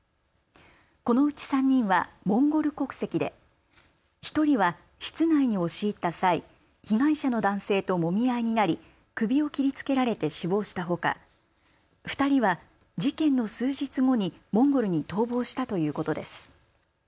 このうち３人はモンゴル国籍で１人は室内に押し入った際、被害者の男性ともみ合いになり首を切りつけられて死亡したほか２人は事件の数日後にモンゴルに逃亡したということです。